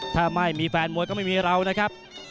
ถ้าไม่มีแฟนมวยก็ไม่มีเรานะครับ